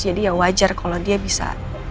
jadi ya wajar kalau dia bisa